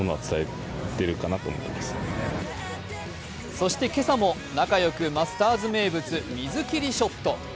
そして、今朝も仲よくマスターズ名物、水切りショット。